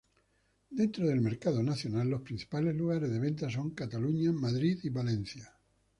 Dentro del mercado nacional, los principales lugares de venta son Cataluña, Madrid y Valencia.